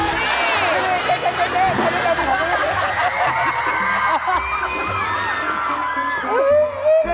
เจ๊เจ๊เจ๊